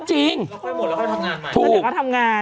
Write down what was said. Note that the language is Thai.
ค่อยหมดแล้วค่อยทำงาน